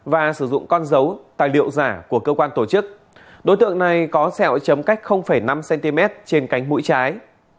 và sử dụng con dấu tài liệu giả của cơ quan tổ chức đối tượng này có sẹo chấm cách năm cm trên cánh mũi trái